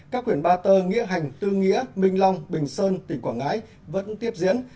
các huyện ba tơ nghĩa hành tư nghĩa minh long bình sơn tỉnh quảng ngãi vẫn tiếp diễn